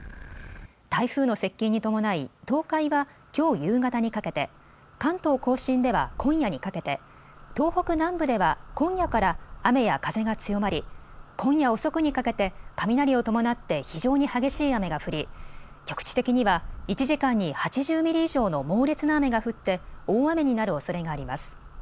台風の接近に伴い東海はきょう夕方にかけて、関東甲信では今夜にかけて、東北南部では今夜から雨や風が強まり今夜遅くにかけて雷を伴って非常に激しい雨が降り局地的には１時間に８０ミリ以上の猛烈な雨が降って大雨になるおそれがあります。